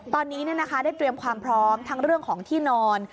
ตอนนี้ได้เตรียมความพร้อมทั้งเรื่องของที่นอน